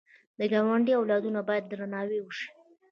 د ګاونډي اولادونه باید درناوی وشي